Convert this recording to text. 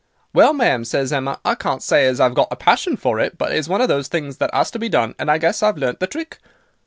"'Well, ma'am,' says Emma, 'I can't say as I've got a passion for it. But it's one of those things that 'as to be done, and I guess I've learnt the trick.